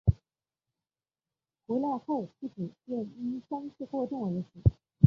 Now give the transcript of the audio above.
回来后不久便因伤势过重而死。